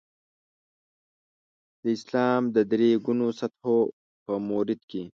د اسلام د درې ګونو سطحو په مورد کې.